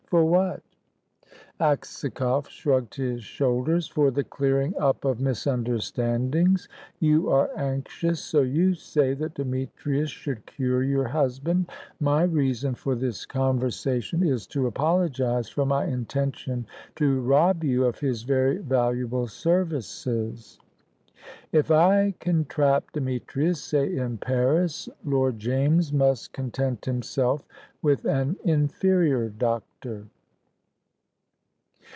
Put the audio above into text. "For what?" Aksakoff shrugged his shoulders. "For the clearing up of misunderstandings. You are anxious so you say that Demetrius should cure your husband. My reason for this conversation is, to apologise for my intention to rob you of his very valuable services. If I can trap Demetrius say in Paris Lord James must content himself with an inferior doctor."